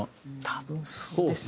多分そうですよね。